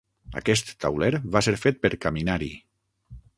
Aquest tauler va ser fet per caminar-hi.